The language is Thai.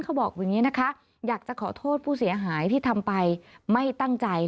เขาบอกอย่างนี้นะคะอยากจะขอโทษผู้เสียหายที่ทำไปไม่ตั้งใจ